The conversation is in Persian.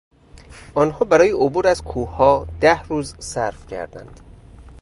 آنها برای عبور از کوهها ده روز صرف کردند.